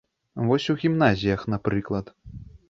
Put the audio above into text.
Вось, у гімназіях, напрыклад.